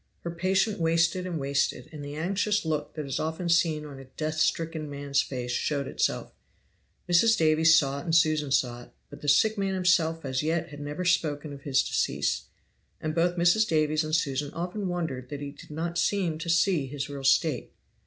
Her patient wasted and wasted; and the anxious look that is often seen on a death stricken man's face showed itself. Mrs. Davies saw it and Susan saw it; but the sick man himself as yet had never spoken of his decease; and both Mrs. Davies and Susan often wondered that he did not seem to see his real state.